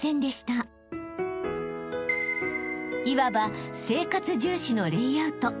［いわば生活重視のレイアウト。